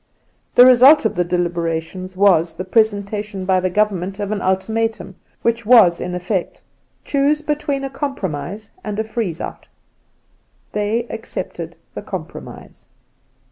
The result of the delibera tions was the presentation by the Government of an ultimatum, which was in effect, ' Choose between a compromise and a freeze out.' They accepted the compromise.